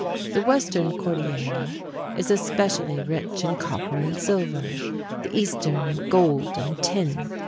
The Western Cordillera is especially rich in copper and silver, the Eastern in gold and tin.